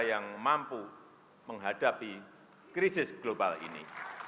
yang mampu menghadapi krisis global ini